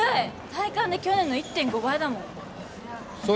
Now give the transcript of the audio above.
体感で去年の１．５倍だもんそう